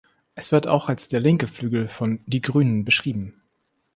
Es wird auch als der linke Flügel von Die Grünen beschrieben.